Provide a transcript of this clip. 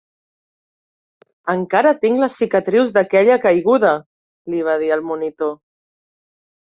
"Encara tinc les cicatrius d'aquella caiguda", li va dir al monitor.